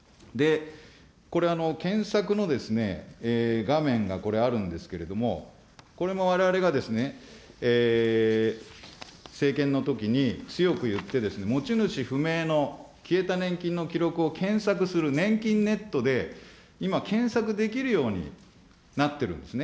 これ検索の画面がこれあるんですけれども、これもわれわれが政権のときに強く言ってですね、持ち主不明の消えた年金の記録を検索するねんきんネットで、今、検索できるようになってるんですね。